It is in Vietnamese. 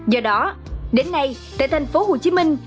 do đó đến nay tại thành phố hồ chí minh